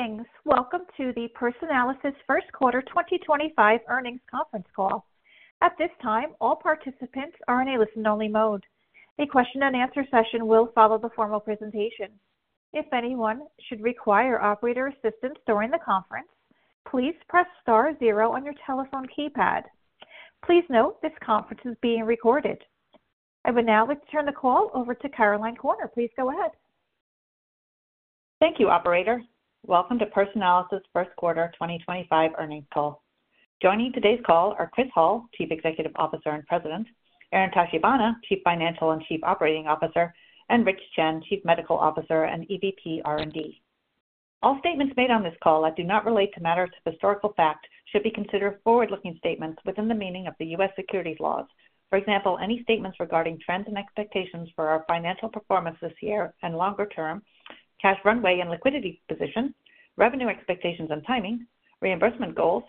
Greetings. Welcome to the Personalis' first quarter 2025 earnings conference call. At this time, all participants are in a listen-only mode. A Q&A session will follow the formal presentation. If anyone should require operator assistance during the conference, please press star zero on your telephone keypad. Please note this conference is being recorded. I would now like to turn the call over to Caroline Corner. Please go ahead. Thank you, Operator. Welcome to Personalis' first quarter 2025 earnings call. Joining today's call are Chris Hall, Chief Executive Officer and President; Aaron Tachibana, Chief Financial and Chief Operating Officer; and Rich Chen, Chief Medical Officer and EVP R&D. All statements made on this call that do not relate to matters of historical fact should be considered forward-looking statements within the meaning of the U.S. securities laws. For example, any statements regarding trends and expectations for our financial performance this year and longer term, cash runway and liquidity position, revenue expectations and timing, reimbursement goals,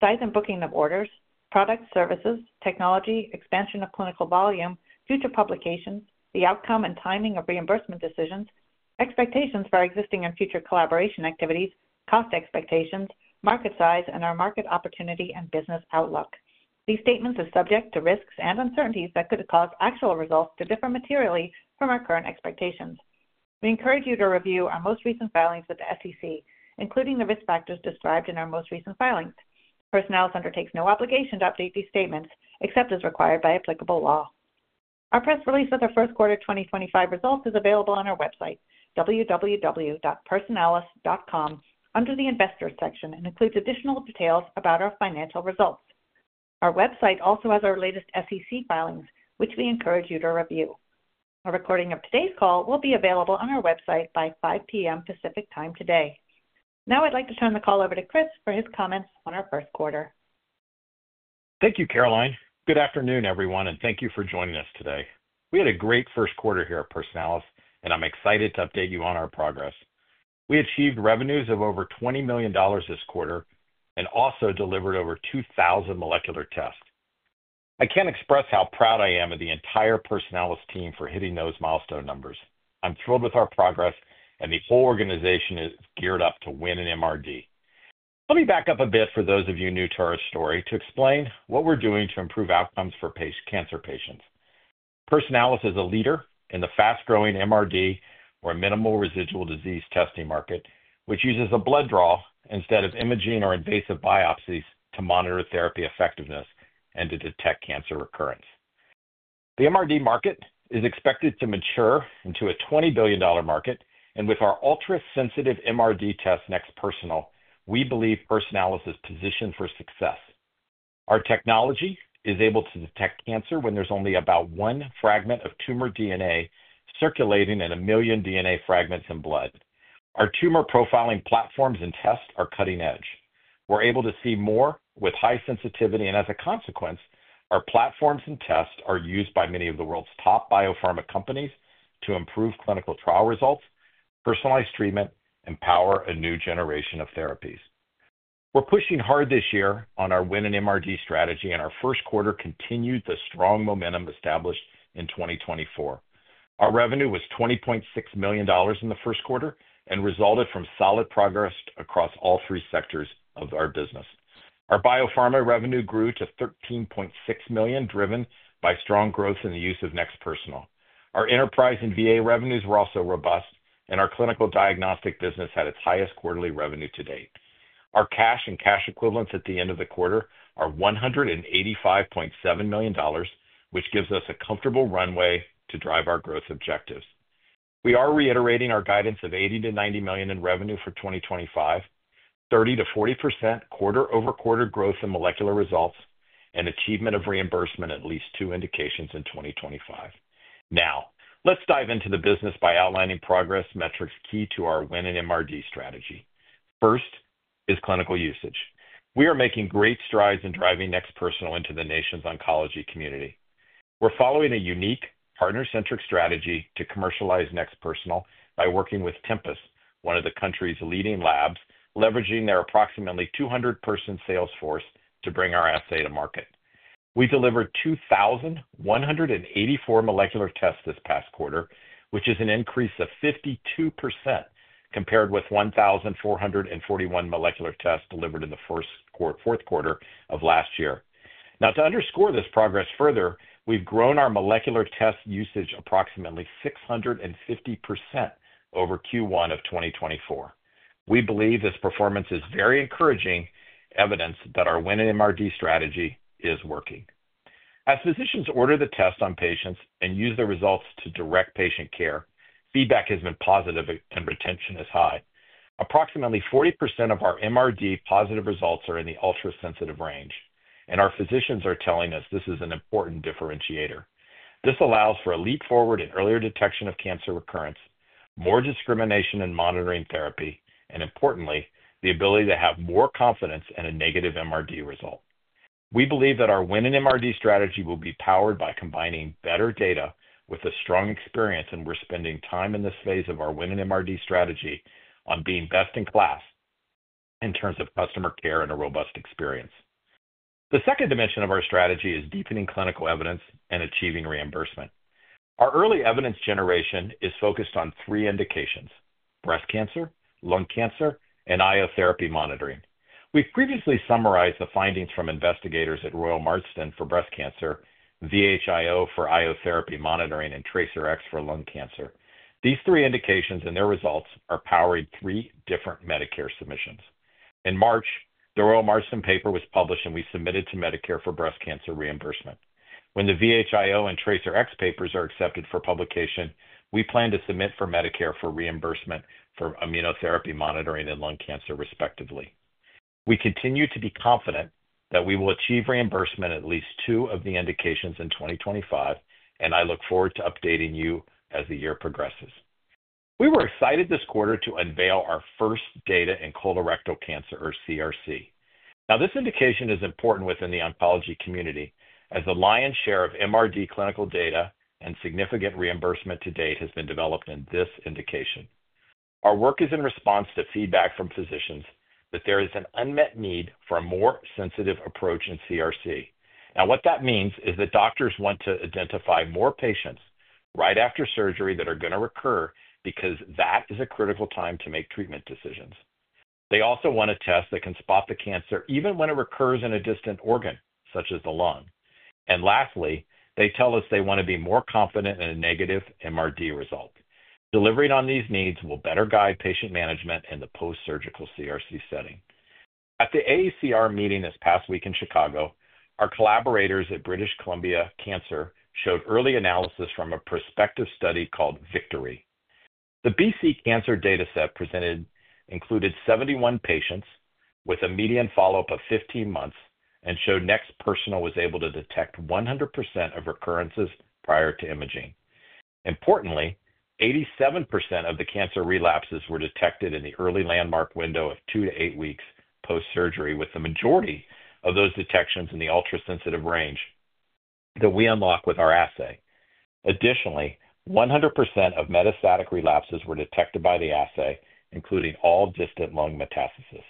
size and booking of orders, products, services, technology, expansion of clinical volume, future publications, the outcome and timing of reimbursement decisions, expectations for our existing and future collaboration activities, cost expectations, market size, and our market opportunity and business outlook. These statements are subject to risks and uncertainties that could cause actual results to differ materially from our current expectations. We encourage you to review our most recent filings with the SEC, including the risk factors described in our most recent filings. Personalis undertakes no obligation to update these statements except as required by applicable law. Our press release with our first quarter 2025 results is available on our website, www.personalis.com, under the Investors section, and includes additional details about our financial results. Our website also has our latest SEC filings, which we encourage you to review. A recording of today's call will be available on our website by 5:00 P.M. Pacific Time today. Now I'd like to turn the call over to Chris for his comments on our first quarter. Thank you, Caroline. Good afternoon, everyone, and thank you for joining us today. We had a great first quarter here at Personalis, and I'm excited to update you on our progress. We achieved revenues of over $20 million this quarter and also delivered over 2,000 molecular tests. I can't express how proud I am of the entire Personalis team for hitting those milestone numbers. I'm thrilled with our progress, and the whole organization is geared up to win in MRD. Let me back up a bit for those of you new to our story to explain what we're doing to improve outcomes for cancer patients. Personalis is a leader in the fast-growing MRD or minimal residual disease testing market, which uses a blood draw instead of imaging or invasive biopsies to monitor therapy effectiveness and to detect cancer recurrence. The MRD market is expected to mature into a $20 billion market, and with our ultra-sensitive MRD tests NeXT Personal, we believe Personalis is positioned for success. Our technology is able to detect cancer when there's only about one fragment of tumor DNA circulating in a million DNA fragments in blood. Our tumor profiling platforms and tests are cutting edge. We're able to see more with high sensitivity, and as a consequence, our platforms and tests are used by many of the world's top biopharma companies to improve clinical trial results, personalized treatment, and power a new generation of therapies. We're pushing hard this year on our win an MRD strategy, and our first quarter continued the strong momentum established in 2024. Our revenue was $20.6 million in the first quarter and resulted from solid progress across all three sectors of our business. Our biopharma revenue grew to $13.6 million, driven by strong growth in the use of NeXT Personal. Our enterprise and VA revenues were also robust, and our clinical diagnostic business had its highest quarterly revenue to date. Our cash and cash equivalents at the end of the quarter are $185.7 million, which gives us a comfortable runway to drive our growth objectives. We are reiterating our guidance of $80 million-$90 million in revenue for 2025, 30%-40% quarter-over-quarter growth in molecular results, and achievement of reimbursement at least two indications in 2025. Now, let's dive into the business by outlining progress metrics key to our win an MRD strategy. First is clinical usage. We are making great strides in driving NeXT Personal into the nation's oncology community. We're following a unique partner-centric strategy to commercialize NeXT Personal by working with Tempus, one of the country's leading labs, leveraging their approximately 200-person sales force to bring our assay to market. We delivered 2,184 molecular tests this past quarter, which is an increase of 52% compared with 1,441 molecular tests delivered in the fourth quarter of last year. Now, to underscore this progress further, we've grown our molecular test usage approximately 650% over Q1 of 2024. We believe this performance is very encouraging evidence that our win in MRD strategy is working. As physicians order the tests on patients and use the results to direct patient care, feedback has been positive and retention is high. Approximately 40% of our MRD positive results are in the ultra-sensitive range, and our physicians are telling us this is an important differentiator. This allows for a leap forward in earlier detection of cancer recurrence, more discrimination in monitoring therapy, and importantly, the ability to have more confidence in a negative MRD result. We believe that our win in MRD strategy will be powered by combining better data with a strong experience, and we're spending time in this phase of our win in MRD strategy on being best in class in terms of customer care and a robust experience. The second dimension of our strategy is deepening clinical evidence and achieving reimbursement. Our early evidence generation is focused on three indications: breast cancer, lung cancer, and IO therapy monitoring. We've previously summarized the findings from investigators at Royal Marsden for breast cancer, VHIO for IO therapy monitoring, and TracerX for lung cancer. These three indications and their results are powering three different Medicare submissions. In March, the Royal Marsden paper was published, and we submitted to Medicare for breast cancer reimbursement. When the VHIO and TracerX papers are accepted for publication, we plan to submit to Medicare for reimbursement for immunotherapy monitoring and lung cancer, respectively. We continue to be confident that we will achieve reimbursement in at least two of the indications in 2025, and I look forward to updating you as the year progresses. We were excited this quarter to unveil our first data in colorectal cancer, or CRC. Now, this indication is important within the oncology community as the lion's share of MRD clinical data and significant reimbursement to date has been developed in this indication. Our work is in response to feedback from physicians that there is an unmet need for a more sensitive approach in CRC. Now, what that means is that doctors want to identify more patients right after surgery that are going to recur because that is a critical time to make treatment decisions. They also want a test that can spot the cancer even when it recurs in a distant organ, such as the lung. Lastly, they tell us they want to be more confident in a negative MRD result. Delivering on these needs will better guide patient management in the post-surgical CRC setting. At the AACR meeting this past week in Chicago, our collaborators at British Columbia Cancer showed early analysis from a prospective study called VICTORY. The BC Cancer data set presented included 71 patients with a median follow-up of 15 months and showed NeXT Personal was able to detect 100% of recurrences prior to imaging. Importantly, 87% of the cancer relapses were detected in the early landmark window of two to eight weeks post-surgery, with the majority of those detections in the ultra-sensitive range that we unlock with our assay. Additionally, 100% of metastatic relapses were detected by the assay, including all distant lung metastases.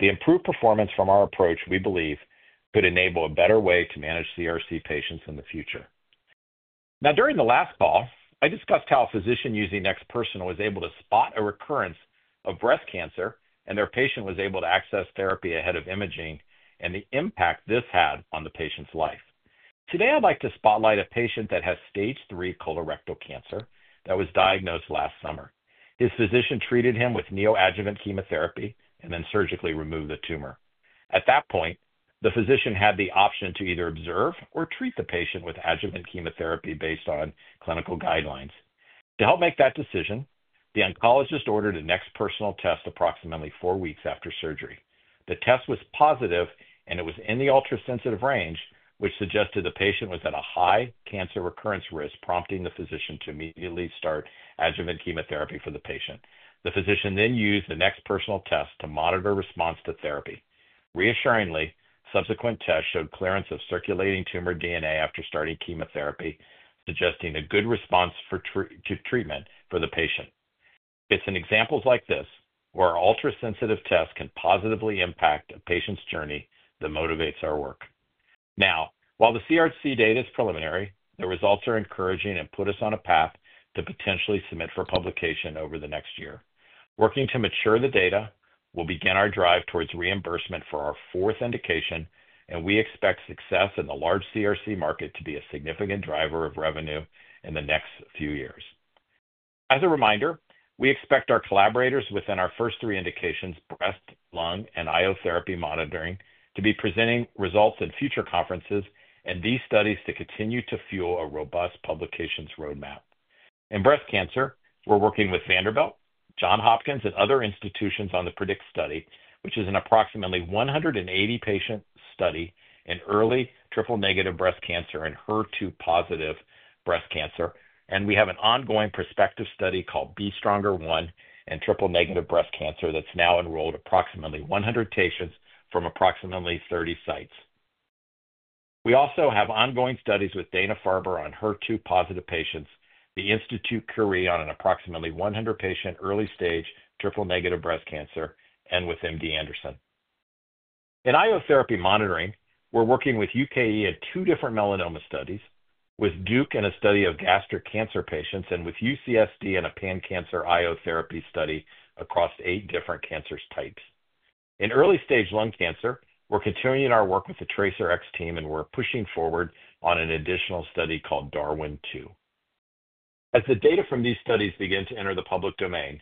The improved performance from our approach, we believe, could enable a better way to manage CRC patients in the future. Now, during the last call, I discussed how a physician using NeXT Personal was able to spot a recurrence of breast cancer and their patient was able to access therapy ahead of imaging and the impact this had on the patient's life. Today, I'd like to spotlight a patient that has stage three colorectal cancer that was diagnosed last summer. His physician treated him with neoadjuvant chemotherapy and then surgically removed the tumor. At that point, the physician had the option to either observe or treat the patient with adjuvant chemotherapy based on clinical guidelines. To help make that decision, the oncologist ordered a NeXT Personal test approximately four weeks after surgery. The test was positive, and it was in the ultra-sensitive range, which suggested the patient was at a high cancer recurrence risk, prompting the physician to immediately start adjuvant chemotherapy for the patient. The physician then used the NeXT Personal test to monitor response to therapy. Reassuringly, subsequent tests showed clearance of circulating tumor DNA after starting chemotherapy, suggesting a good response to treatment for the patient. It's in examples like this where ultra-sensitive tests can positively impact a patient's journey that motivates our work. Now, while the CRC data is preliminary, the results are encouraging and put us on a path to potentially submit for publication over the next year. Working to mature the data, we'll begin our drive towards reimbursement for our fourth indication, and we expect success in the large CRC market to be a significant driver of revenue in the next few years. As a reminder, we expect our collaborators within our first three indications, breast, lung, and IO therapy monitoring, to be presenting results in future conferences and these studies to continue to fuel a robust publications roadmap. In breast cancer, we're working with Vanderbilt, Johns Hopkins, and other institutions on the PREDICT study, which is an approximately 180-patient study in early triple-negative breast cancer and HER2-positive breast cancer. We have an ongoing prospective study called BESTRONGER 1 in triple-negative breast cancer that's now enrolled approximately 100 patients from approximately 30 sites. We also have ongoing studies with Dana-Farber on HER2-positive patients, the Institute Curie on an approximately 100-patient early stage triple-negative breast cancer, and with MD Anderson. In immunotherapy monitoring, we're working with UKE in two different melanoma studies, with Duke in a study of gastric cancer patients, and with UCSD in a pan-cancer immunotherapy study across eight different cancer types. In early stage lung cancer, we're continuing our work with the TracerX team, and we're pushing forward on an additional study called Darwin 2. As the data from these studies begin to enter the public domain,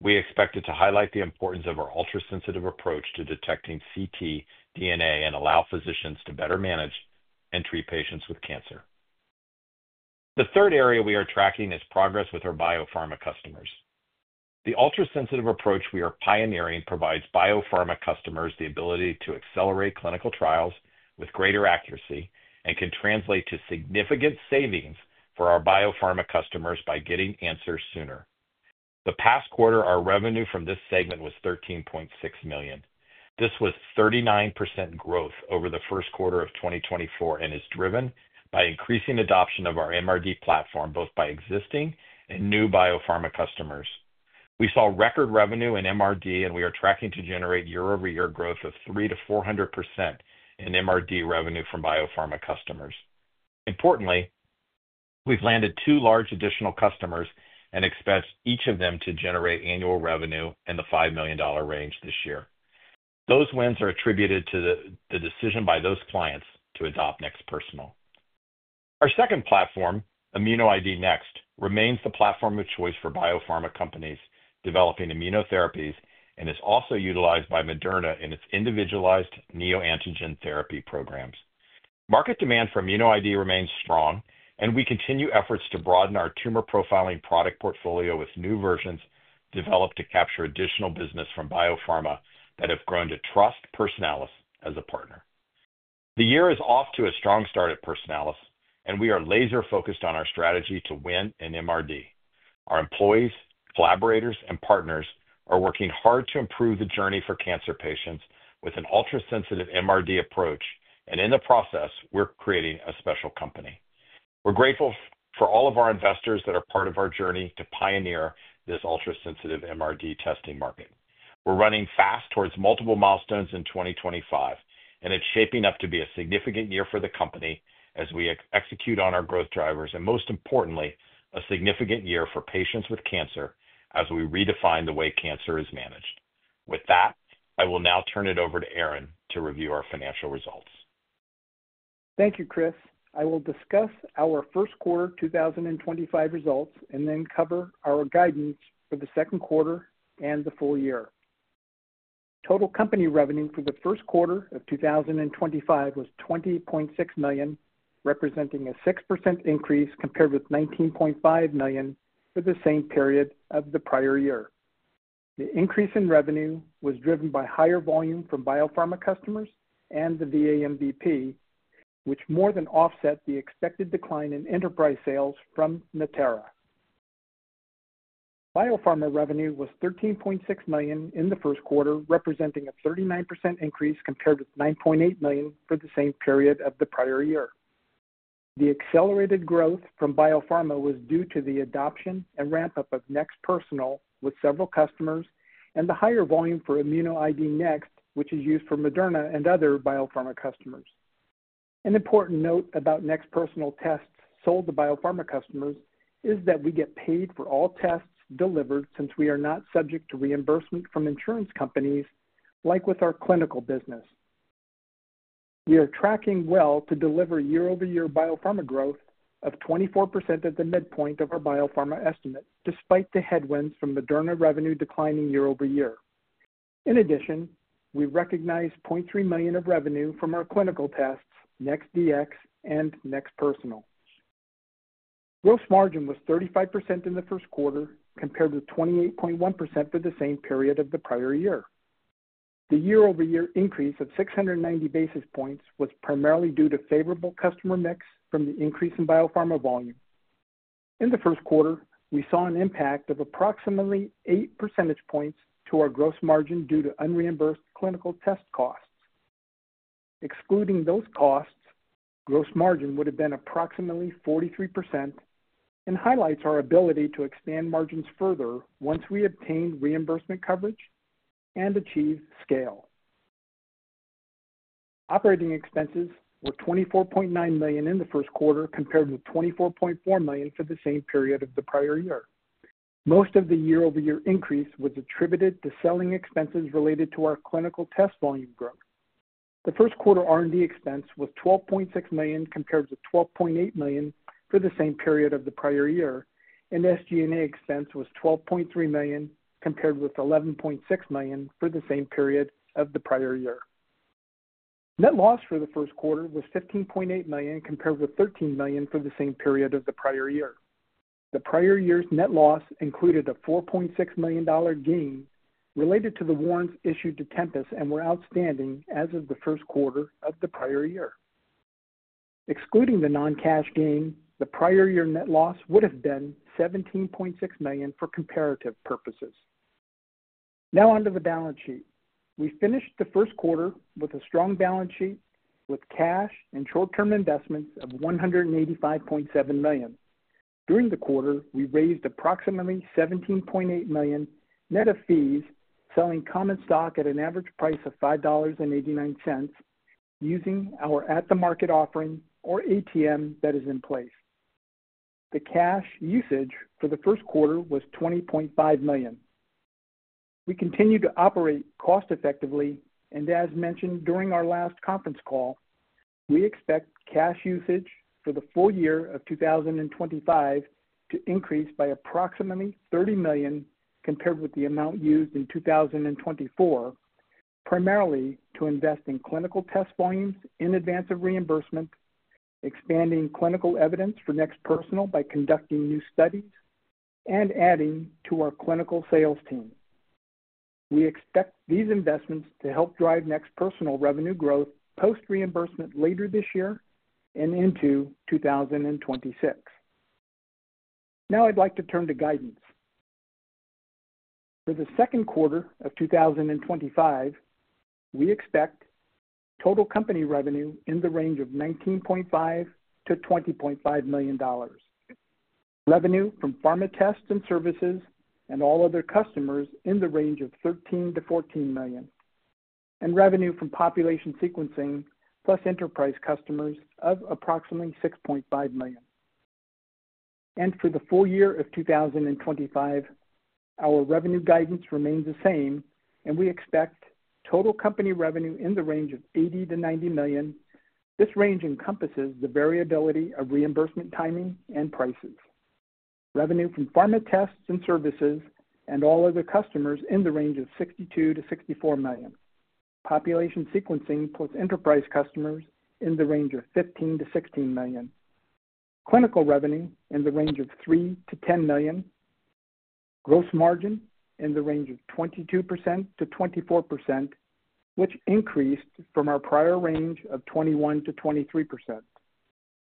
we expect it to highlight the importance of our ultra-sensitive approach to detecting ctDNA and allow physicians to better manage and treat patients with cancer. The third area we are tracking is progress with our biopharma customers. The ultra-sensitive approach we are pioneering provides biopharma customers the ability to accelerate clinical trials with greater accuracy and can translate to significant savings for our biopharma customers by getting answers sooner. The past quarter, our revenue from this segment was $13.6 million. This was 39% growth over the first quarter of 2024 and is driven by increasing adoption of our MRD platform, both by existing and new biopharma customers. We saw record revenue in MRD, and we are tracking to generate year-over-year growth of 300%-400% in MRD revenue from biopharma customers. Importantly, we've landed two large additional customers and expect each of them to generate annual revenue in the $5 million range this year. Those wins are attributed to the decision by those clients to adopt NeXT Personal. Our second platform, ImmunoID NeXT, remains the platform of choice for biopharma companies developing immunotherapies and is also utilized by Moderna in its individualized neoantigen therapy programs. Market demand for ImmunoID remains strong, and we continue efforts to broaden our tumor profiling product portfolio with new versions developed to capture additional business from biopharma that have grown to trust Personalis as a partner. The year is off to a strong start at Personalis, and we are laser-focused on our strategy to win in MRD. Our employees, collaborators, and partners are working hard to improve the journey for cancer patients with an ultra-sensitive MRD approach, and in the process, we're creating a special company. We're grateful for all of our investors that are part of our journey to pioneer this ultra-sensitive MRD testing market. We're running fast towards multiple milestones in 2025, and it's shaping up to be a significant year for the company as we execute on our growth drivers and, most importantly, a significant year for patients with cancer as we redefine the way cancer is managed. With that, I will now turn it over to Aaron to review our financial results. Thank you, Chris. I will discuss our first quarter 2025 results and then cover our guidance for the second quarter and the full year. Total company revenue for the first quarter of 2025 was $20.6 million, representing a 6% increase compared with $19.5 million for the same period of the prior year. The increase in revenue was driven by higher volume from biopharma customers and the VAMVP, which more than offset the expected decline in enterprise sales from Natera. Biopharma revenue was $13.6 million in the first quarter, representing a 39% increase compared with $9.8 million for the same period of the prior year. The accelerated growth from biopharma was due to the adoption and ramp-up of NeXT Personal with several customers and the higher volume for ImmunoID NeXT, which is used for Moderna and other biopharma customers. An important note about NeXT Personal tests sold to biopharma customers is that we get paid for all tests delivered since we are not subject to reimbursement from insurance companies like with our clinical business. We are tracking well to deliver year-over-year biopharma growth of 24% at the midpoint of our biopharma estimate, despite the headwinds from Moderna revenue declining year-over-year. In addition, we recognize $0.3 million of revenue from our clinical tests, NeXT DX, and NeXT Personal. Gross margin was 35% in the first quarter compared with 28.1% for the same period of the prior year. The year-over-year increase of 690 basis points was primarily due to favorable customer mix from the increase in biopharma volume. In the first quarter, we saw an impact of approximately 8 percentage points to our gross margin due to unreimbursed clinical test costs. Excluding those costs, gross margin would have been approximately 43% and highlights our ability to expand margins further once we obtain reimbursement coverage and achieve scale. Operating expenses were $24.9 million in the first quarter compared with $24.4 million for the same period of the prior year. Most of the year-over-year increase was attributed to selling expenses related to our clinical test volume growth. The first quarter R&D expense was $12.6 million compared with $12.8 million for the same period of the prior year, and SG&A expense was $12.3 million compared with $11.6 million for the same period of the prior year. Net loss for the first quarter was $15.8 million compared with $13 million for the same period of the prior year. The prior year's net loss included a $4.6 million gain related to the warrants issued to Tempus and were outstanding as of the first quarter of the prior year. Excluding the non-cash gain, the prior year net loss would have been $17.6 million for comparative purposes. Now, onto the balance sheet. We finished the first quarter with a strong balance sheet with cash and short-term investments of $185.7 million. During the quarter, we raised approximately $17.8 million net of fees selling common stock at an average price of $5.89 using our at-the-market offering or ATM that is in place. The cash usage for the first quarter was $20.5 million. We continue to operate cost-effectively, and as mentioned during our last conference call, we expect cash usage for the full year of 2025 to increase by approximately $30 million compared with the amount used in 2024, primarily to invest in clinical test volumes in advance of reimbursement, expanding clinical evidence for NeXT Personal by conducting new studies, and adding to our clinical sales team. We expect these investments to help drive NeXT Personal revenue growth post-reimbursement later this year and into 2026. Now, I'd like to turn to guidance. For the second quarter of 2025, we expect total company revenue in the range of $19.5 million-$20.5 million, revenue from pharma tests and services and all other customers in the range of $13 million-$14 million, and revenue from population sequencing plus enterprise customers of approximately $6.5 million. For the full year of 2025, our revenue guidance remains the same, and we expect total company revenue in the range of $80 million-$90 million. This range encompasses the variability of reimbursement timing and prices. Revenue from pharma tests and services and all other customers in the range of $62 million-$64 million, population sequencing plus enterprise customers in the range of $15 million-$16 million, clinical revenue in the range of $3 million-$10 million, gross margin in the range of 22%-24%, which increased from our prior range of 21%-23%.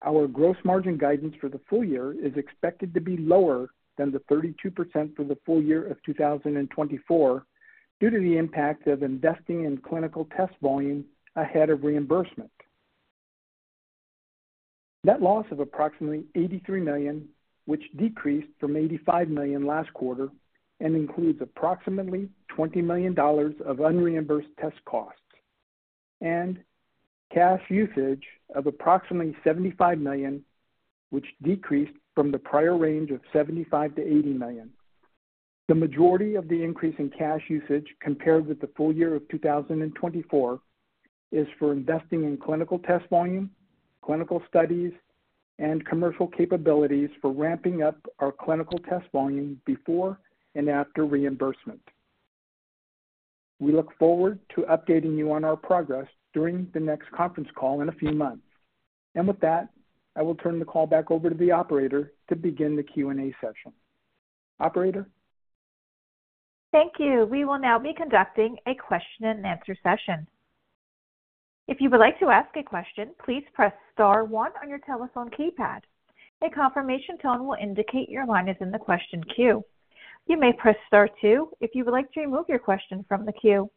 Our gross margin guidance for the full year is expected to be lower than the 32% for the full year of 2024 due to the impact of investing in clinical test volume ahead of reimbursement. Net loss of approximately $83 million, which decreased from $85 million last quarter and includes approximately $20 million of unreimbursed test costs, and cash usage of approximately $75 million, which decreased from the prior range of $75 million-$80 million. The majority of the increase in cash usage compared with the full year of 2024 is for investing in clinical test volume, clinical studies, and commercial capabilities for ramping up our clinical test volume before and after reimbursement. We look forward to updating you on our progress during the next conference call in a few months. I will turn the call back over to the operator to begin the Q&A session. Thank you. We will now be conducting a Q&A session. If you would like to ask a question, please press star one on your telephone keypad. A confirmation tone will indicate your line is in the question queue. You may press star two if you would like to remove your question from the queue.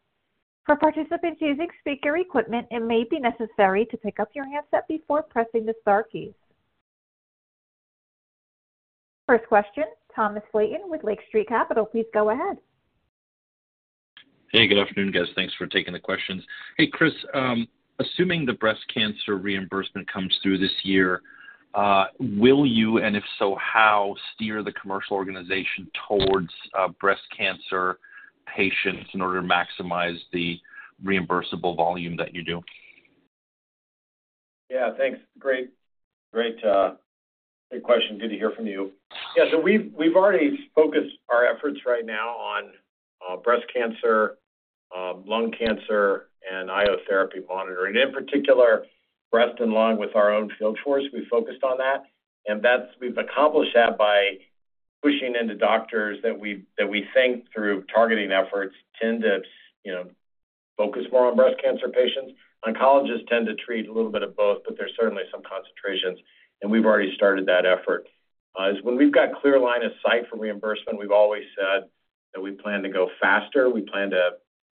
For participants using speaker equipment, it may be necessary to pick up your handset before pressing the star keys. First question, Thomas [William] with [Lake Street] Capital. Please go ahead. Hey, good afternoon, guys. Thanks for taking the questions. Hey, Chris, assuming the breast cancer reimbursement comes through this year, will you, and if so, how, steer the commercial organization towards breast cancer patients in order to maximize the reimbursable volume that you do? Yeah, thanks. Great, great question. Good to hear from you. Yeah, so we've already focused our efforts right now on breast cancer, lung cancer, and IO therapy monitoring. In particular, breast and lung with our own field force, we focused on that. We've accomplished that by pushing into doctors that we think through targeting efforts tend to focus more on breast cancer patients. Oncologists tend to treat a little bit of both, but there's certainly some concentrations. We've already started that effort. When we've got clear line of sight for reimbursement, we've always said that we plan to go faster. We plan to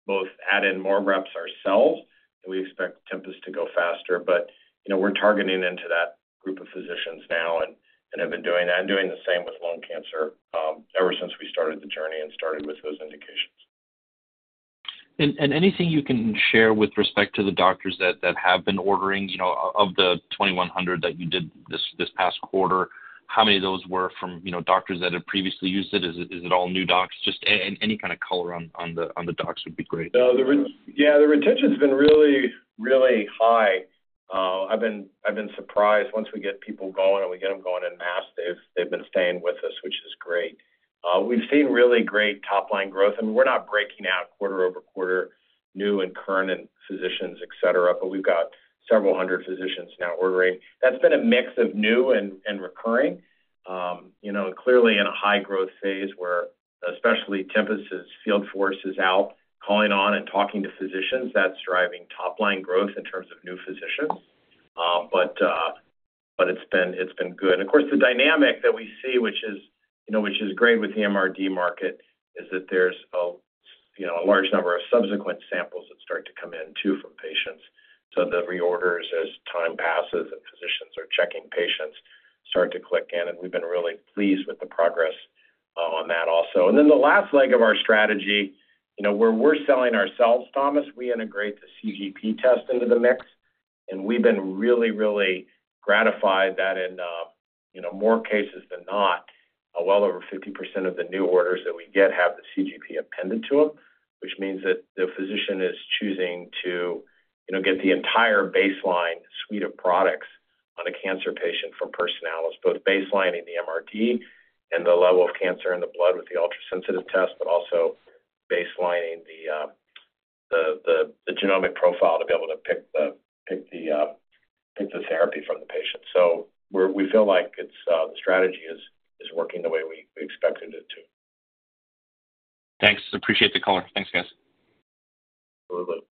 both add in more reps ourselves, and we expect Tempus to go faster. We're targeting into that group of physicians now and have been doing that and doing the same with lung cancer ever since we started the journey and started with those indications. Anything you can share with respect to the doctors that have been ordering of the 2,100 that you did this past quarter, how many of those were from doctors that had previously used it? Is it all new docs? Just any kind of color on the docs would be great. Yeah, the retention has been really, really high. I've been surprised. Once we get people going and we get them going en masse, they've been staying with us, which is great. We've seen really great top-line growth, and we're not breaking out quarter over quarter new and current and physicians, et cetera, but we've got several hundred physicians now ordering. That's been a mix of new and recurring. Clearly in a high-growth phase where, especially Tempus's field force is out calling on and talking to physicians, that's driving top-line growth in terms of new physicians. It's been good. Of course, the dynamic that we see, which is great with the MRD market, is that there's a large number of subsequent samples that start to come in too from patients. The reorders as time passes and physicians are checking patients start to click in, and we've been really pleased with the progress on that also. The last leg of our strategy, where we're selling ourselves, Thomas, we integrate the CGP test into the mix. We have been really, really gratified that in more cases than not, well over 50% of the new orders that we get have the CGP appended to them, which means that the physician is choosing to get the entire baseline suite of products on a cancer patient for Personalis as both baselining the MRD and the level of cancer in the blood with the ultrasensitive test, but also baselining the genomic profile to be able to pick the therapy from the patient. We feel like the strategy is working the way we expected it to. Thanks. Appreciate the color. Thanks, guys. Absolutely.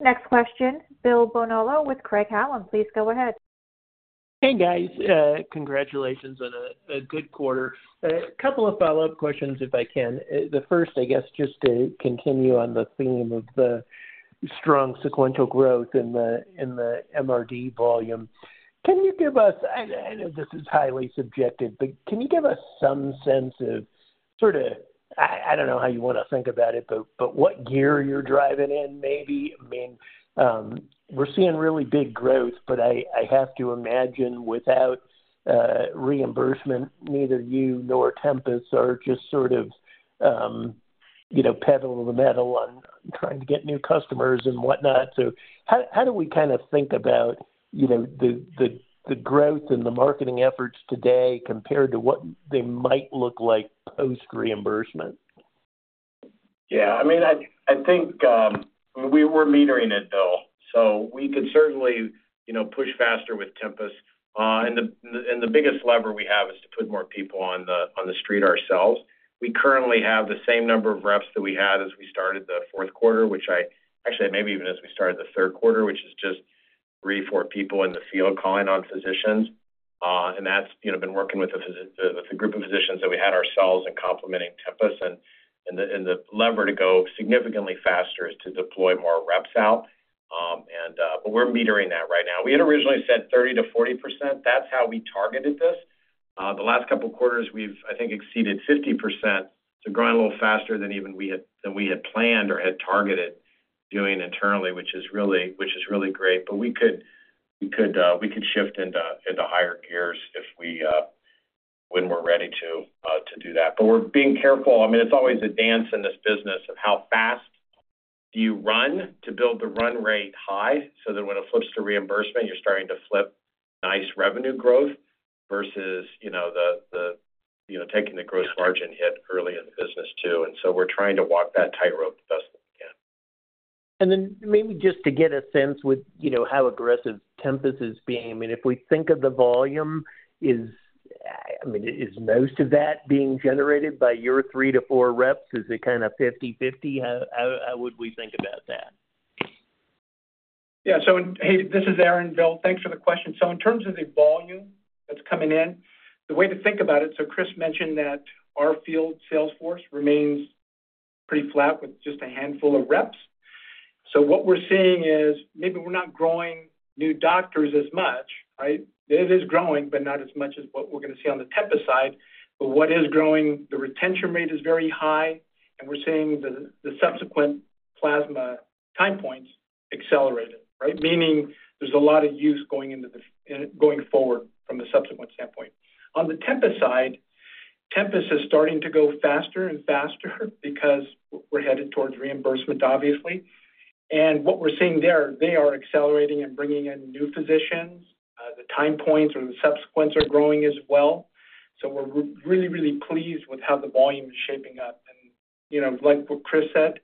Next question, Bill Bonello with Craig-Hallum. Please go ahead. Hey, guys. Congratulations on a good quarter. A couple of follow-up questions if I can. The first, I guess, just to continue on the theme of the strong sequential growth in the MRD volume. Can you give us—I know this is highly subjective—but can you give us some sense of sort of—I do not know how you want to think about it, but what gear you are driving in maybe. I mean, we are seeing really big growth, but I have to imagine without reimbursement, neither you nor Tempus are just sort of pedal to the metal on trying to get new customers and whatnot. How do we kind of think about the growth and the marketing efforts today compared to what they might look like post-reimbursement? Yeah. I mean, I think we are metering it, Bill. We could certainly push faster with Tempus. The biggest lever we have is to put more people on the street ourselves. We currently have the same number of reps that we had as we started the fourth quarter, which I—actually, maybe even as we started the third quarter, which is just three, four people in the field calling on physicians. That has been working with the group of physicians that we had ourselves and complementing Tempus. The lever to go significantly faster is to deploy more reps out. We are metering that right now. We had originally said 30-40%. That is how we targeted this. The last couple of quarters, we have, I think, exceeded 50%. Growing a little faster than even we had planned or had targeted doing internally, which is really great. We could shift into higher gears when we are ready to do that. We are being careful. I mean, it's always a dance in this business of how fast do you run to build the run rate high so that when it flips to reimbursement, you're starting to flip nice revenue growth versus taking the gross margin hit early in the business too. We're trying to walk that tightrope the best we can. Maybe just to get a sense with how aggressive Tempus is being, I mean, if we think of the volume, is most of that being generated by your three to four reps? Is it kind of 50/50? How would we think about that? Yeah. Hey, this is Aaron Bill. Thanks for the question. In terms of the volume that's coming in, the way to think about it, Chris mentioned that our field sales force remains pretty flat with just a handful of reps. What we're seeing is maybe we're not growing new doctors as much, right? It is growing, but not as much as what we're going to see on the Tempus side. What is growing, the retention rate is very high, and we're seeing the subsequent plasma time points accelerated, right? Meaning there's a lot of use going forward from the subsequent standpoint. On the Tempus side, Tempus is starting to go faster and faster because we're headed towards reimbursement, obviously. What we're seeing there, they are accelerating and bringing in new physicians. The time points or the subsequents are growing as well. We're really, really pleased with how the volume is shaping up. Like what Chris said,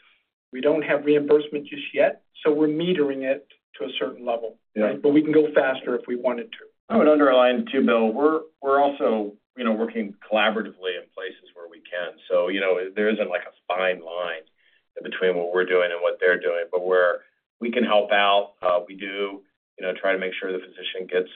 we don't have reimbursement just yet, so we're metering it to a certain level, right? We can go faster if we wanted to. I would underline too, Bill, we're also working collaboratively in places where we can. There isn't a fine line between what we're doing and what they're doing. We can help out. We do try to make sure the physician gets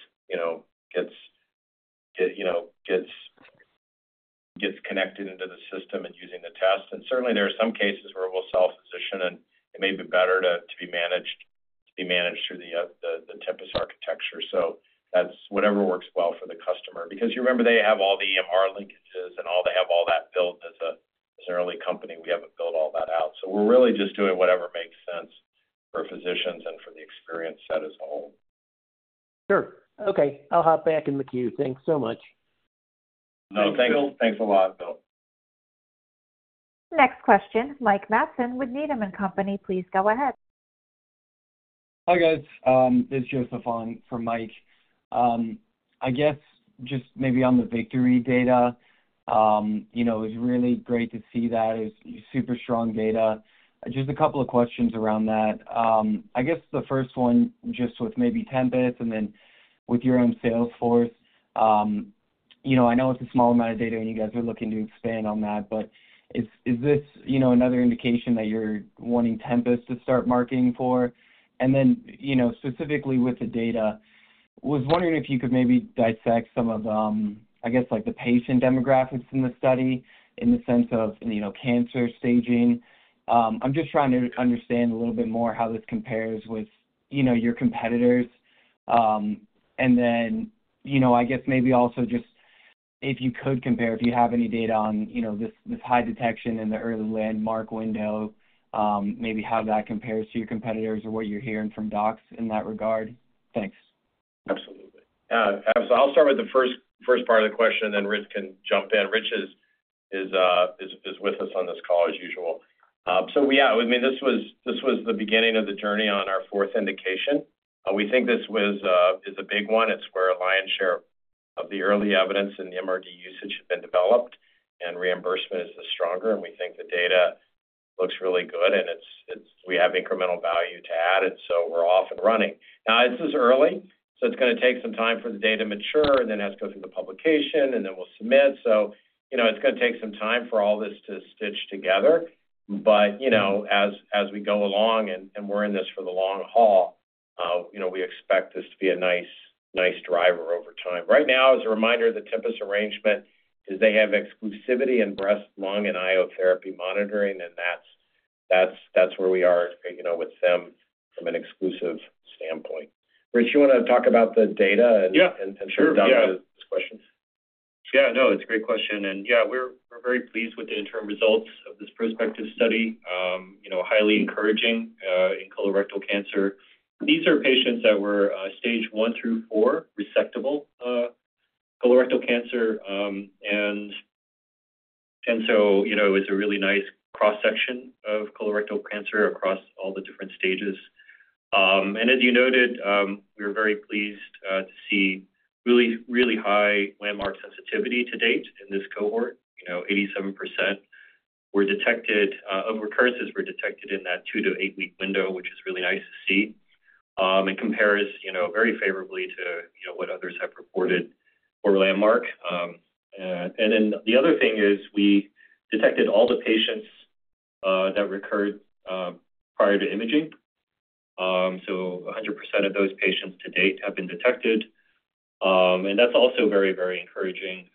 connected into the system and using the test. Certainly, there are some cases where we'll self-position, and it may be better to be managed through the Tempus architecture. That's whatever works well for the customer. You remember they have all the EMR linkages, and they have all that built as an early company. We haven't built all that out. We're really just doing whatever makes sense for physicians and for the experience set as a whole. Sure. Okay. I'll hop back in the queue. Thanks so much. Thanks, Bill. Thanks a lot, Bill. Next question, Mike Matson with Needham & Company. Please go ahead. Hi, guys. It's Joseph on for Mike. I guess just maybe on the VICTORY data, it was really great to see that. It's super strong data. Just a couple of questions around that. I guess the first one just with maybe Tempus and then with your own sales force. I know it's a small amount of data, and you guys are looking to expand on that, but is this another indication that you're wanting Tempus to start marketing for? And then specifically with the data, I was wondering if you could maybe dissect some of, I guess, the patient demographics in the study in the sense of cancer staging. I'm just trying to understand a little bit more how this compares with your competitors. I guess maybe also just if you could compare, if you have any data on this high detection in the early landmark window, maybe how that compares to your competitors or what you're hearing from docs in that regard. Thanks. Absolutely. Yeah. I'll start with the first part of the question, and then Rich can jump in. Rich is with us on this call as usual. Yeah, I mean, this was the beginning of the journey on our fourth indication. We think this is a big one. It's where a lion's share of the early evidence and the MRD usage has been developed, and reimbursement is the stronger. We think the data looks really good, and we have incremental value to add. We are off and running. Now, this is early, so it's going to take some time for the data to mature, and then it has to go through the publication, and then we'll submit. It's going to take some time for all this to stitch together. As we go along and we're in this for the long haul, we expect this to be a nice driver over time. Right now, as a reminder, the Tempus arrangement is they have exclusivity in breast, lung, and IO therapy monitoring, and that's where we are with them from an exclusive standpoint. Rich, you want to talk about the data and sort of dive into this question? Yeah. No, it's a great question. We're very pleased with the interim results of this prospective study, highly encouraging in colorectal cancer. These are patients that were stage one through four resectable colorectal cancer. It was a really nice cross-section of colorectal cancer across all the different stages. As you noted, we were very pleased to see really, really high landmark sensitivity to date in this cohort. 87% of recurrences were detected in that two- to eight-week window, which is really nice to see and compares very favorably to what others have reported for landmark. The other thing is we detected all the patients that recurred prior to imaging. 100% of those patients to date have been detected. That is also very, very encouraging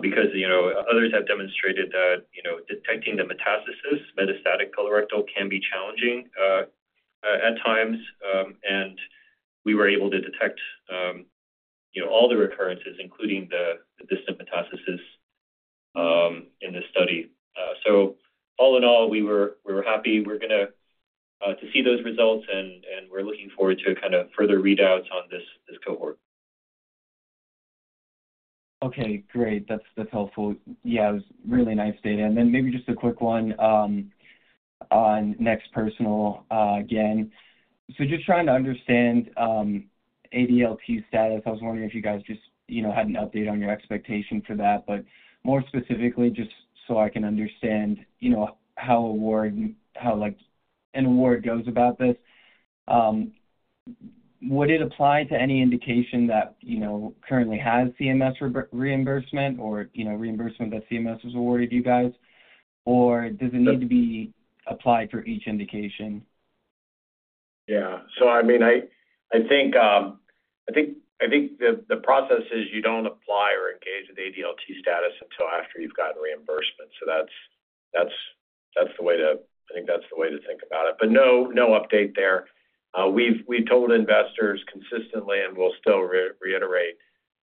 because others have demonstrated that detecting the metastasis, metastatic colorectal, can be challenging at times. We were able to detect all the recurrences, including the distant metastasis in this study. All in all, we were happy to see those results, and we're looking forward to kind of further readouts on this cohort. Okay. Great. That's helpful. Yeah, it was really nice data. And then maybe just a quick one on NeXT Personal again. So just trying to understand ADLT status. I was wondering if you guys just had an update on your expectation for that. But more specifically, just so I can understand how an award goes about this, would it apply to any indication that currently has CMS reimbursement or reimbursement that CMS has awarded you guys? Or does it need to be applied for each indication? Yeah. So I mean, I think the process is you don't apply or engage with ADLT status until after you've gotten reimbursement. That's the way to—I think that's the way to think about it. But no update there. We've told investors consistently, and we'll still reiterate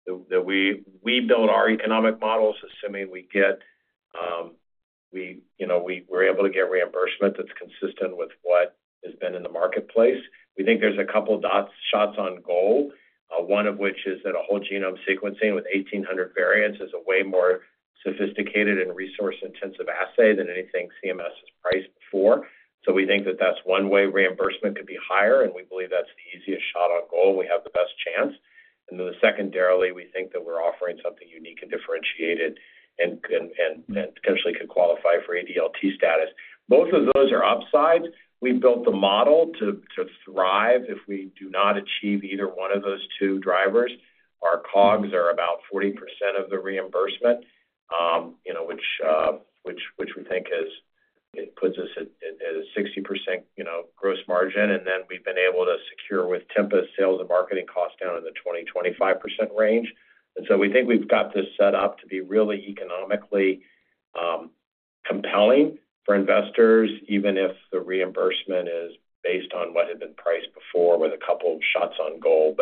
that we build our economic models assuming we get—we're able to get reimbursement that's consistent with what has been in the marketplace. We think there's a couple of shots on goal, one of which is that a whole genome sequencing with 1,800 variants is a way more sophisticated and resource-intensive assay than anything CMS has priced before. We think that that's one way reimbursement could be higher, and we believe that's the easiest shot on goal. We have the best chance. Then secondarily, we think that we're offering something unique and differentiated and potentially could qualify for ADLT status. Both of those are upsides. We've built the model to thrive. If we do not achieve either one of those two drivers, our COGS are about 40% of the reimbursement, which we think puts us at a 60% gross margin. We've been able to secure with Tempus sales and marketing costs down in the 20%-25% range. We think we've got this set up to be really economically compelling for investors, even if the reimbursement is based on what had been priced before with a couple of shots on goal.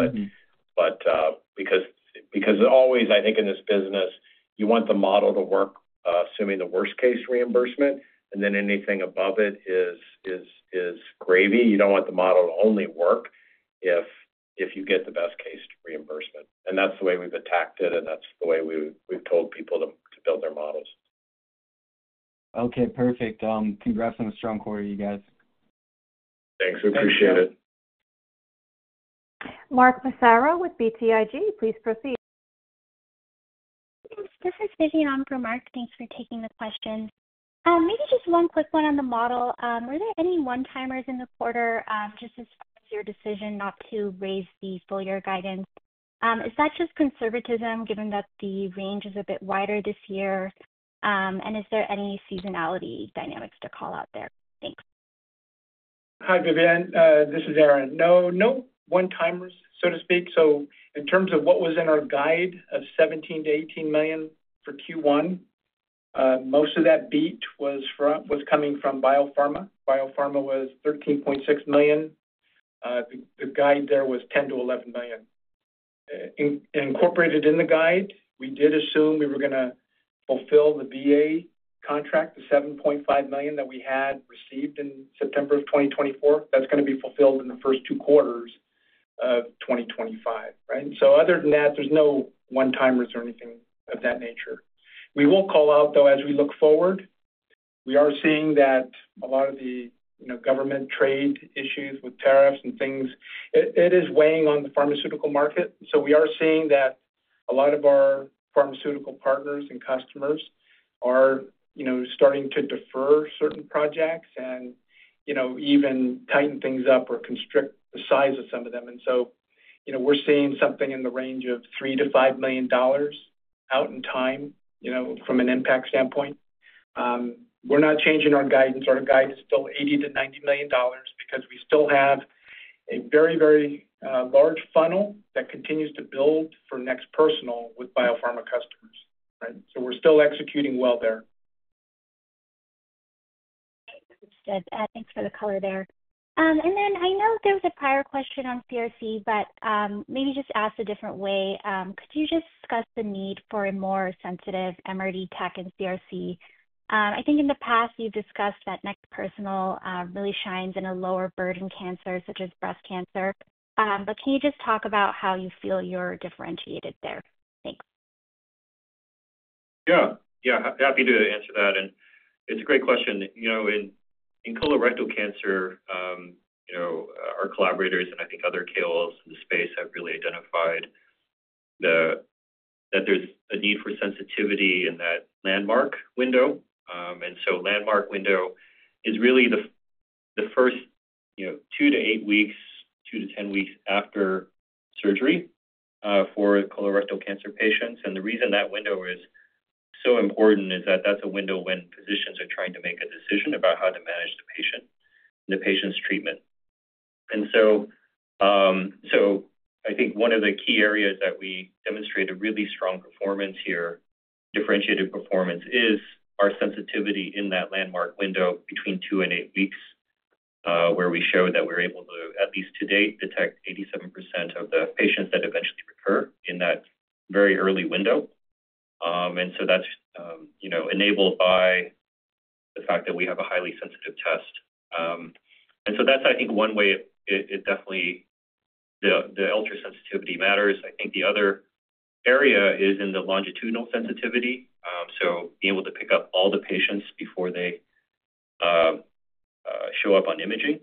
Because always, I think in this business, you want the model to work assuming the worst-case reimbursement, and then anything above it is gravy. You do not want the model to only work if you get the best-case reimbursement. That is the way we've attacked it, and that is the way we've told people to build their models. Okay. Perfect. Congrats on the strong quarter, you guys. Thanks. We appreciate it. Mark Massaro with BTIG. Please proceed. This is Vivian on for Mark. Thanks for taking the question. Maybe just one quick one on the model. Were there any one-timers in the quarter just as far as your decision not to raise the full-year guidance? Is that just conservatism given that the range is a bit wider this year? Is there any seasonality dynamics to call out there? Thanks. Hi, Vivian. This is Aaron. No one-timers, so to speak. In terms of what was in our guide of $17 million-$18 million for Q1, most of that beat was coming from biopharma. Biopharma was $13.6 million. The guide there was $10 million-$11 million. Incorporated in the guide, we did assume we were going to fulfill the VA contract, the $7.5 million that we had received in September of 2024. That is going to be fulfilled in the first two quarters of 2025, right? Other than that, there is no one-timers or anything of that nature. We will call out, though, as we look forward, we are seeing that a lot of the government trade issues with tariffs and things, it is weighing on the pharmaceutical market. We are seeing that a lot of our pharmaceutical partners and customers are starting to defer certain projects and even tighten things up or constrict the size of some of them. We are seeing something in the range of $3 million-$5 million out in time from an impact standpoint. We are not changing our guidance. Our guide is still $80 million-$90 million because we still have a very, very large funnel that continues to build for NeXT Personal with biopharma customers, right? We are still executing well there. Thanks for the color there. I know there was a prior question on CRC, but maybe just ask a different way. Could you just discuss the need for a more sensitive MRD tech in CRC? I think in the past, you've discussed that NeXT Personal really shines in a lower burden cancer such as breast cancer. But can you just talk about how you feel you're differentiated there? Thanks. Yeah. Yeah. Happy to answer that. And it's a great question. In colorectal cancer, our collaborators and I think other KOLs in the space have really identified that there's a need for sensitivity in that landmark window. And so landmark window is really the first two to eight weeks, two to ten weeks after surgery for colorectal cancer patients. And the reason that window is so important is that that's a window when physicians are trying to make a decision about how to manage the patient and the patient's treatment. I think one of the key areas that we demonstrate a really strong performance here, differentiated performance, is our sensitivity in that landmark window between two and eight weeks, where we show that we're able to, at least to date, detect 87% of the patients that eventually recur in that very early window. That is enabled by the fact that we have a highly sensitive test. I think that is one way it definitely, the ultra-sensitivity, matters. I think the other area is in the longitudinal sensitivity. Being able to pick up all the patients before they show up on imaging,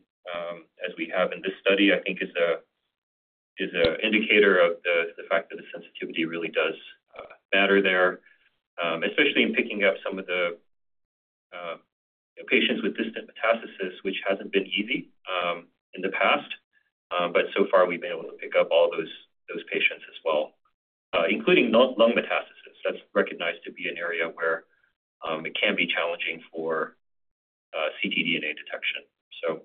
as we have in this study, I think, is an indicator of the fact that the sensitivity really does matter there, especially in picking up some of the patients with distant metastasis, which has not been easy in the past. So far, we've been able to pick up all those patients as well, including lung metastasis. That's recognized to be an area where it can be challenging for ctDNA detection, so.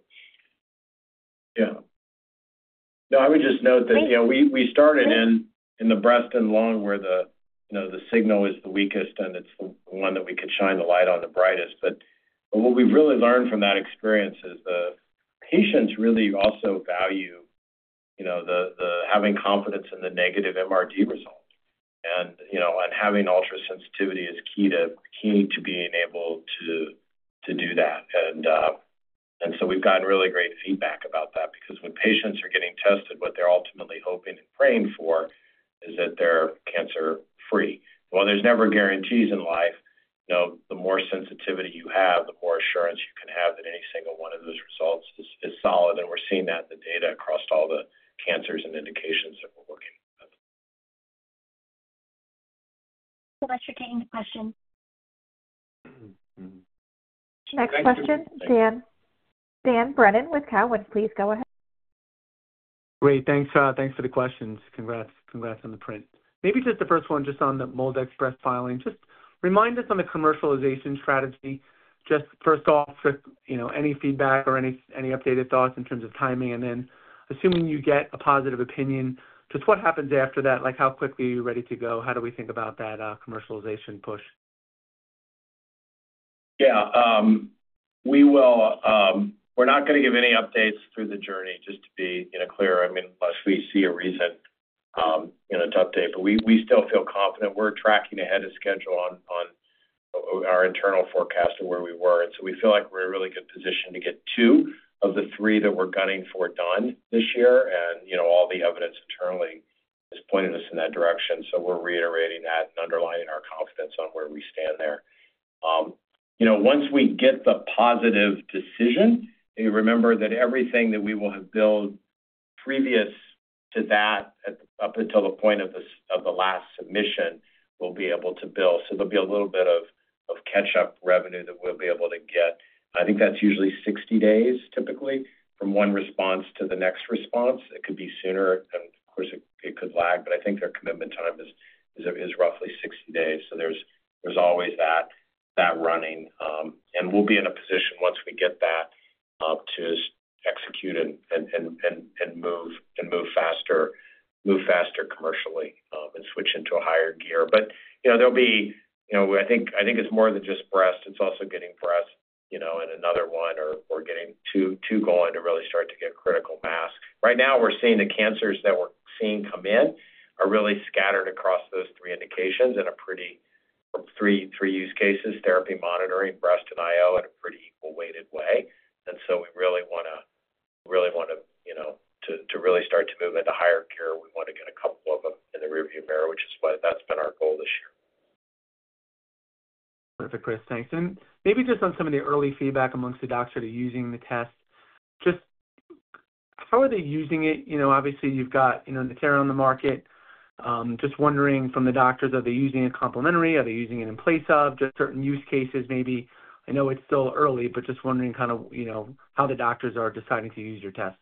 Yeah. No, I would just note that we started in the breast and lung where the signal is the weakest, and it's the one that we could shine the light on the brightest. What we've really learned from that experience is the patients really also value having confidence in the negative MRD result. Having ultra-sensitivity is key to being able to do that. We've gotten really great feedback about that because when patients are getting tested, what they're ultimately hoping and praying for is that they're cancer-free. While there's never guarantees in life, the more sensitivity you have, the more assurance you can have that any single one of those results is solid. We're seeing that in the data across all the cancers and indications that we're working with. Thanks so much for taking the question. Next question, Dan. Dan Brennan with Cowen, please go ahead. Great. Thanks. Thanks for the questions. Congrats on the print. Maybe just the first one, just on the mold express filing. Just remind us on the commercialization strategy. Just first off, any feedback or any updated thoughts in terms of timing? And then assuming you get a positive opinion, just what happens after that? How quickly are you ready to go? How do we think about that commercialization push? Yeah. We're not going to give any updates through the journey, just to be clear. I mean, unless we see a reason to update. But we still feel confident. We're tracking ahead of schedule on our internal forecast of where we were. We feel like we're in a really good position to get two of the three that we're gunning for done this year. All the evidence internally is pointing us in that direction. We're reiterating that and underlining our confidence on where we stand there. Once we get the positive decision, remember that everything that we will have built previous to that up until the point of the last submission, we'll be able to bill. There will be a little bit of catch-up revenue that we'll be able to get. I think that's usually 60 days, typically, from one response to the next response. It could be sooner, and of course, it could lag. I think our commitment time is roughly 60 days. There's always that running. We'll be in a position once we get that to execute and move faster commercially and switch into a higher gear. There'll be—I think it's more than just breast. It's also getting breast and another one or getting two going to really start to get critical mass. Right now, we're seeing the cancers that we're seeing come in are really scattered across those three indications and are pretty—three use cases: therapy, monitoring, breast, and IO in a pretty equal-weighted way. We really want to—we really want to really start to move into higher gear. We want to get a couple of them in the rearview mirror, which is why that's been our goal this year. Perfect, Chris. Thanks. Maybe just on some of the early feedback amongst the doctors using the tests, just how are they using it? Obviously, you've got Natera on the market. Just wondering from the doctors, are they using it complementary? Are they using it in place of just certain use cases maybe? I know it's still early, but just wondering kind of how the doctors are deciding to use your test.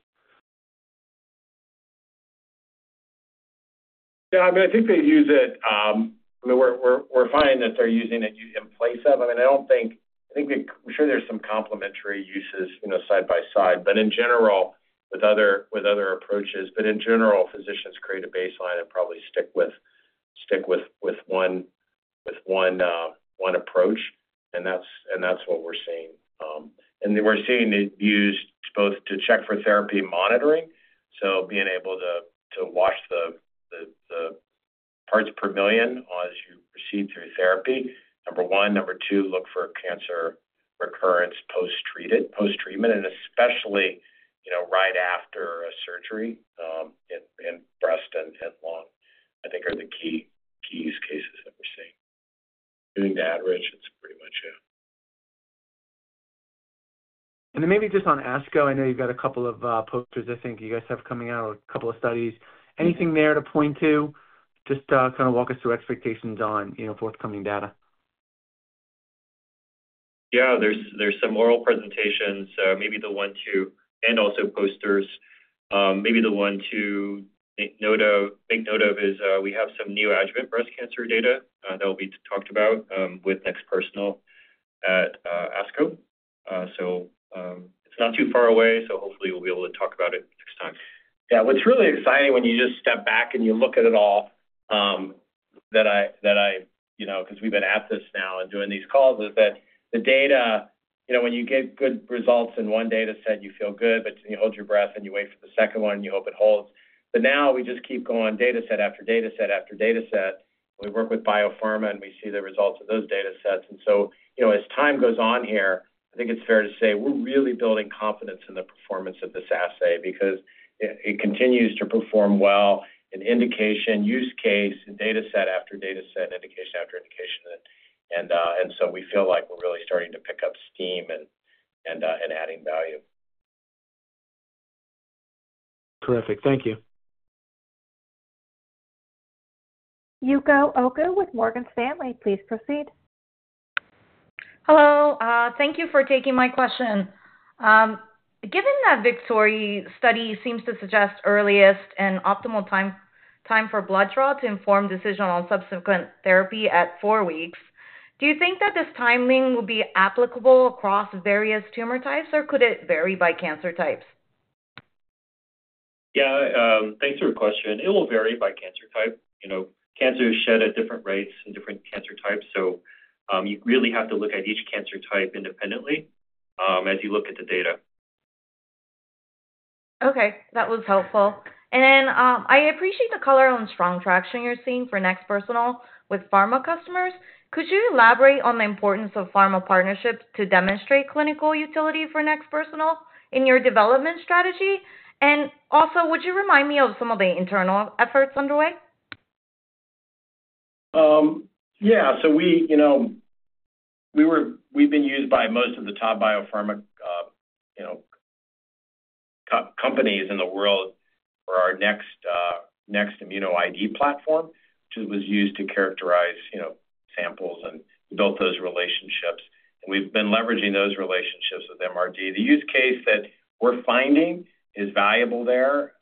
Yeah. I mean, I think they use it. I mean, we're fine that they're using it in place of. I mean, I don't think—I think I'm sure there's some complementary uses side by side, but in general, with other approaches. In general, physicians create a baseline and probably stick with one approach. That's what we're seeing. We're seeing it used both to check for therapy monitoring, so being able to watch the parts per million as you proceed through therapy. Number one. Number two, look for cancer recurrence post-treatment, and especially right after a surgery in breast and lung, I think, are the key use cases that we're seeing. Doing that, Rich, it's pretty much it. Maybe just on ASCO, I know you've got a couple of posters, I think, you guys have coming out, a couple of studies. Anything there to point to? Just kind of walk us through expectations on forthcoming data. Yeah. There are some oral presentations. Maybe the one to—and also posters. Maybe the one to make note of is we have some neoadjuvant breast cancer data that will be talked about with NeXT Personal at ASCO. It is not too far away, so hopefully, we'll be able to talk about it next time. Yeah. What's really exciting when you just step back and you look at it all that I—because we've been at this now and doing these calls—is that the data, when you get good results in one data set, you feel good, but you hold your breath and you wait for the second one and you hope it holds. Now we just keep going data set after data set after data set. We work with biopharma, and we see the results of those data sets. As time goes on here, I think it's fair to say we're really building confidence in the performance of this assay because it continues to perform well in indication, use case, and data set after data set, indication after indication. We feel like we're really starting to pick up steam and adding value. Terrific. Thank you. Yuko Oku with Morgan Stanley. Please proceed. Hello. Thank you for taking my question. Given that VICTORY study seems to suggest earliest and optimal time for blood draw to inform decision on subsequent therapy at four weeks, do you think that this timing will be applicable across various tumor types, or could it vary by cancer types? Yeah. Thanks for your question. It will vary by cancer type. Cancer is shed at different rates in different cancer types. You really have to look at each cancer type independently as you look at the data. Okay. That was helpful. I appreciate the color on strong traction you're seeing for NeXT Personal with pharma customers. Could you elaborate on the importance of pharma partnerships to demonstrate clinical utility for NeXT Personal in your development strategy? Also, would you remind me of some of the internal efforts underway? Yeah. We have been used by most of the top biopharma companies in the world for our NeXT ImmunoID platform, which was used to characterize samples and built those relationships. We have been leveraging those relationships with MRD. The use case that we are finding is valuable there.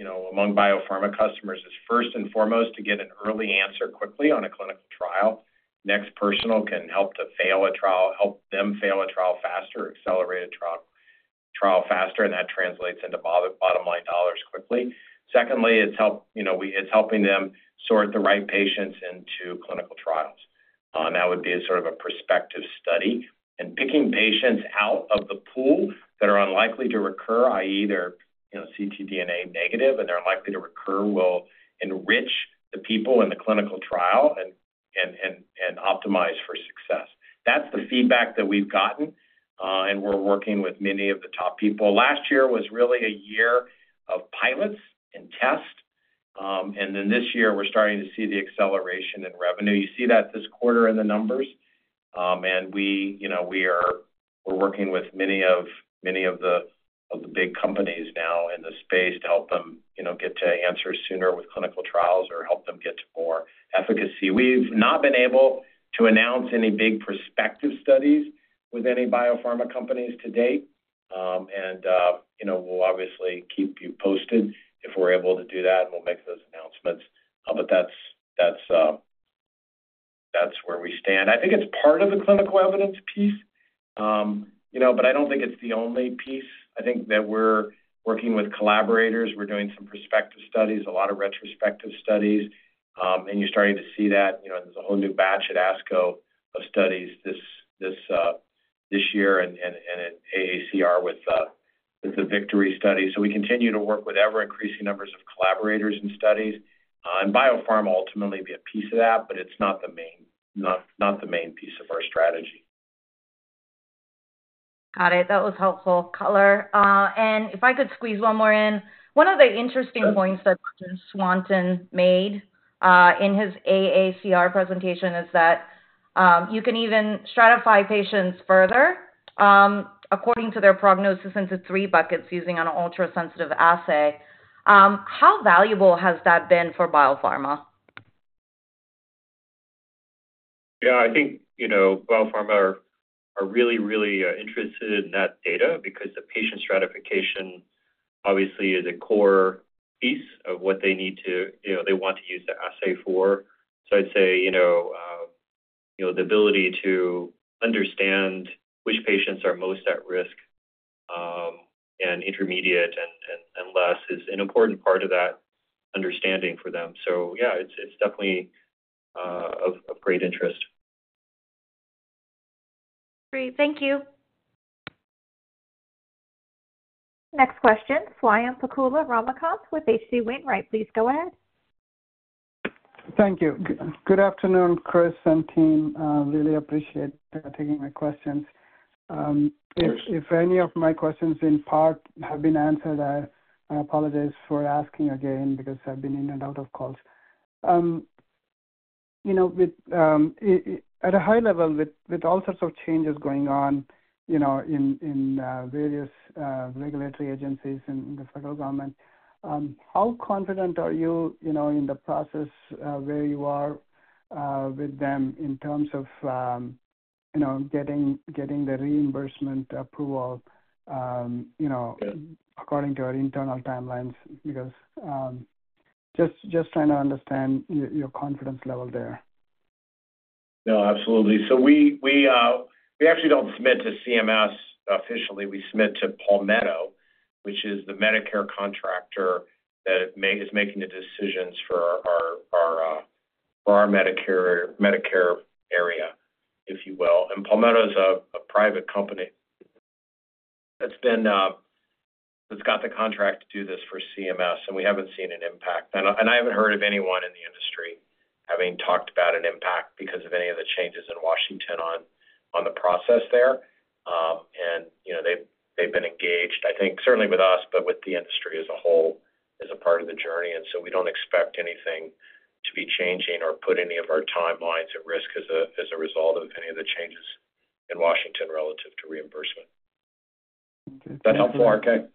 Among biopharma customers, it is first and foremost to get an early answer quickly on a clinical trial. NeXT Personal can help to fail a trial, help them fail a trial faster, accelerate a trial faster, and that translates into bottom-line dollars quickly. Secondly, it is helping them sort the right patients into clinical trials. That would be sort of a prospective study. Picking patients out of the pool that are unlikely to recur, i.e., they are ctDNA negative and they are unlikely to recur, will enrich the people in the clinical trial and optimize for success. That is the feedback that we have gotten. We are working with many of the top people. Last year was really a year of pilots and tests. This year, we are starting to see the acceleration in revenue. You see that this quarter in the numbers. We are working with many of the big companies now in the space to help them get to answers sooner with clinical trials or help them get to more efficacy. We have not been able to announce any big prospective studies with any biopharma companies to date. We will obviously keep you posted if we are able to do that, and we will make those announcements. That is where we stand. I think it is part of the clinical evidence piece, but I do not think it is the only piece. I think that we are working with collaborators. We are doing some prospective studies, a lot of retrospective studies. You are starting to see that. There's a whole new batch at ASCO of studies this year and at AACR with the VICTORY study. We continue to work with ever-increasing numbers of collaborators in studies. Biopharma will ultimately be a piece of that, but it's not the main piece of our strategy. Got it. That was helpful, Color. If I could squeeze one more in, one of the interesting points that Dr. Swanton made in his AACR presentation is that you can even stratify patients further according to their prognosis into three buckets using an ultra-sensitive assay. How valuable has that been for biopharma? Yeah. I think biopharma are really, really interested in that data because the patient stratification obviously is a core piece of what they need to—they want to use the assay for. I'd say the ability to understand which patients are most at risk and intermediate and less is an important part of that understanding for them. Yeah, it's definitely of great interest. Great. Thank you. Next question, Swayampakula Ramakanth with H.C. Wainwright. Please go ahead. Thank you. Good afternoon, Chris and team. Really appreciate taking my questions. If any of my questions in part have been answered, I apologize for asking again because I've been in and out of calls. At a high level, with all sorts of changes going on in various regulatory agencies and the federal government, how confident are you in the process where you are with them in terms of getting the reimbursement approval according to our internal timelines? Just trying to understand your confidence level there. No, absolutely. We actually don't submit to CMS officially. We submit to Palmetto, which is the Medicare contractor that is making the decisions for our Medicare area, if you will. Palmetto is a private company that's got the contract to do this for CMS. We haven't seen an impact. I haven't heard of anyone in the industry having talked about an impact because of any of the changes in Washington on the process there. They've been engaged, I think, certainly with us, but with the industry as a whole as a part of the journey. We don't expect anything to be changing or put any of our timelines at risk as a result of any of the changes in Washington relative to reimbursement. Is that helpful, RK?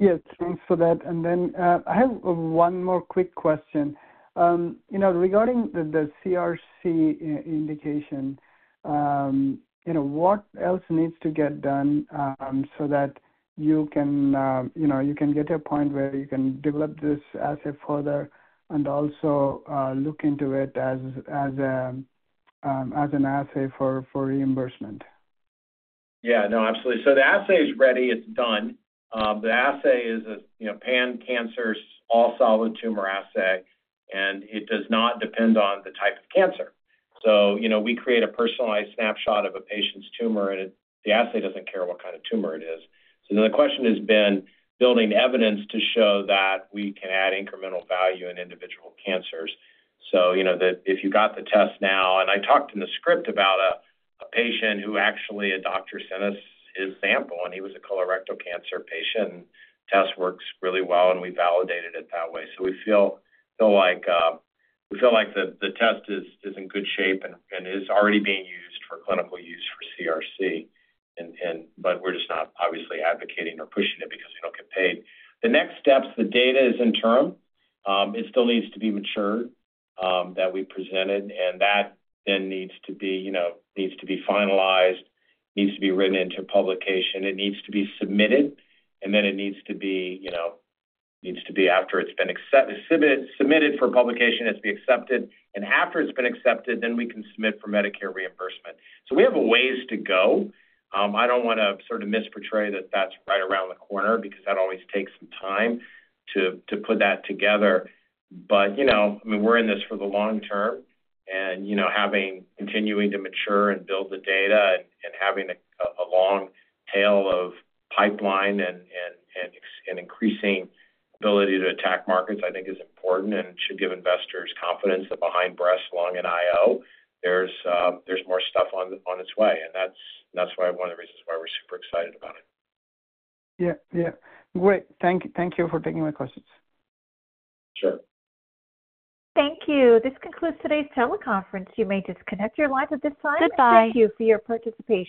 Yes. Thanks for that. I have one more quick question. Regarding the CRC indication, what else needs to get done so that you can get to a point where you can develop this assay further and also look into it as an assay for reimbursement? Yeah. No, absolutely. The assay is ready. It's done. The assay is a pan-cancerous, all-solid tumor assay, and it does not depend on the type of cancer. We create a personalized snapshot of a patient's tumor, and the assay doesn't care what kind of tumor it is. The question has been building evidence to show that we can add incremental value in individual cancers. If you got the test now, and I talked in the script about a patient who actually a doctor sent us his sample, and he was a colorectal cancer patient. The test works really well, and we validated it that way. We feel like the test is in good shape and is already being used for clinical use for CRC. We are just not obviously advocating or pushing it because we do not get paid. The next steps, the data is interim. It still needs to be matured that we presented. That then needs to be finalized, needs to be written into publication. It needs to be submitted, and then it needs to be, after it has been submitted for publication, it has been accepted. After it has been accepted, then we can submit for Medicare reimbursement. We have a ways to go. I do not want to sort of misportray that that is right around the corner because that always takes some time to put that together. I mean, we are in this for the long term. Continuing to mature and build the data and having a long tail of pipeline and increasing ability to attack markets, I think, is important and should give investors confidence that behind breast, lung, and IO, there's more stuff on its way. That is one of the reasons why we're super excited about it. Yeah. Yeah. Great. Thank you for taking my questions. Sure. Thank you. This concludes today's teleconference. You may disconnect your lines at this time. Goodbye. Thank you for your participation.